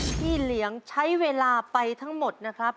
เหลียงใช้เวลาไปทั้งหมดนะครับ